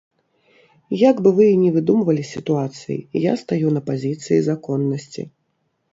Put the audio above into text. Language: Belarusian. Як бы вы ні выдумвалі сітуацыі, я стаю на пазіцыі законнасці!